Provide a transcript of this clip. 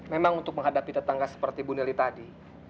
memang untuk menghadapi tetangga seperti bu neli tadi